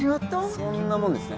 そんなもんですね